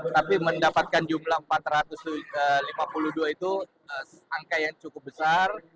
tapi mendapatkan jumlah empat ratus lima puluh dua itu angka yang cukup besar